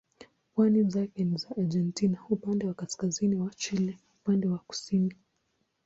Pwani zake ni za Argentina upande wa kaskazini na Chile upande wa kusini.